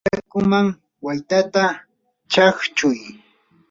yakuwan waytata chaqchuy.